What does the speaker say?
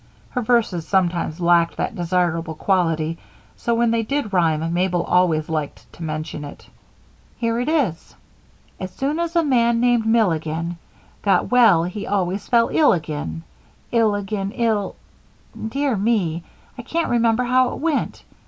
Her verses sometimes lacked that desirable quality, so when they did rhyme Mabel always liked to mention it. "Here it is: "As soon as a man named Milligan Got well he always fell ill again ill again ill "Dear me, I can't remember how it went.